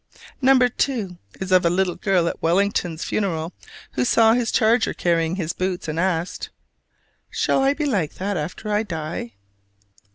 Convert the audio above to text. Number two is of a little girl at Wellington's funeral who saw his charger carrying his boots, and asked, "Shall I be like that after I die?"